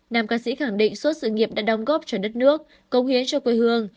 năm ca sĩ khẳng định suốt sự nghiệp đã đóng góp cho đất nước công hiến cho quê hương